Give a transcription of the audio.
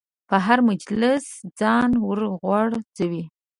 په هر مجلس ځان ورغورځوي.